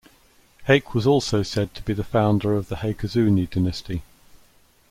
Hayk was also said to be the founder of the Haykazuni Dynasty.